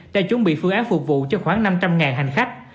đã chuẩn bị phương án phục vụ cho khoảng năm trăm linh hành khách